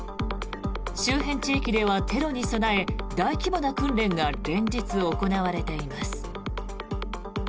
周辺地域ではテロに備え大規模な訓練が連日行われています。